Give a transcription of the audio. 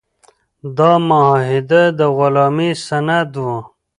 دا معاهده د غلامۍ سند و.